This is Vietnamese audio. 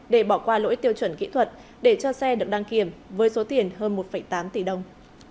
để bỏ qua lỗi tiêu chuẩn kỹ thuật để cho xe được đăng kiểm với số tiền hơn một tám tỷ đồng